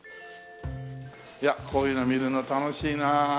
いやこういうの見るの楽しいな。